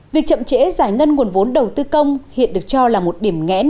việc chậm trễ giải ngân nguồn vốn đầu tư công hiện được cho là một điểm ngẽn